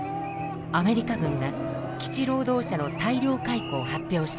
アメリカ軍が基地労働者の大量解雇を発表したのです。